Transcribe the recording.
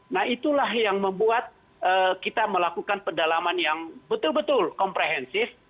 nah itulah yang membuat kita melakukan pendalaman yang betul betul komprehensif